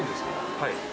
はい。